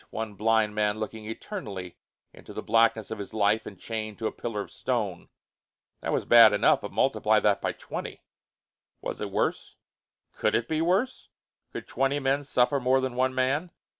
One blind man, looking eternally into the blackness of his life, and chained to a pillar of stone that was bad enough; but multiply that by twenty! Was it worse? Could it be worse? Could twenty men suffer more than one man?